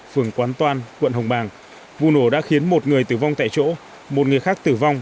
phường quán toan quận hồng bàng vụ nổ đã khiến một người tử vong tại chỗ một người khác tử vong